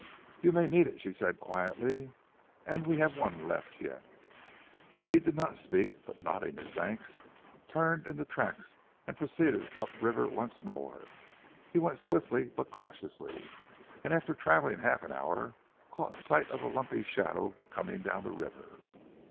"You may need it," she said quietly. "And we have one left yet." He did not speak, but nodding his thanks, turned in the tracks, and proceeded up river once more. He went swiftly but cautiously; and after travelling half an hour, caught sight of a lumpy shadow coming down the river.